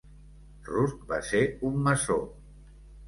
Rusk va ser un maçó.